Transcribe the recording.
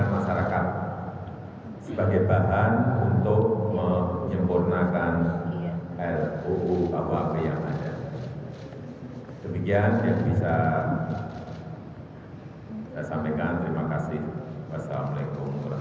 wassalamu'alaikum warahmatullahi wabarakatuh